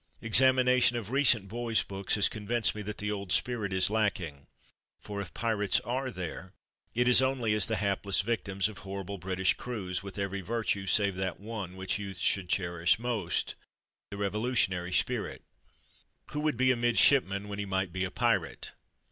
Examination of recent boys' books has convinced me that 182 ON PIRATES 183 the old spirit is lacking, for if pirates are there, it is only as the hapless victims of horrible British crews with every virtue save that one which youth should cherish most, the revolutionary spirit. Who would be a midshipman when he might be a pirate?